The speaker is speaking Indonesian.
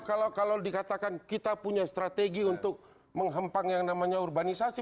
kalau dikatakan kita punya strategi untuk menghempang yang namanya urbanisasi